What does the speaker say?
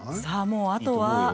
さあもうあとは。